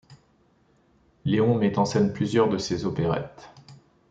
Léon met en scène plusieurs de ses opérettes.